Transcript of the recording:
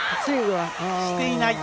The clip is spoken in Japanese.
していない。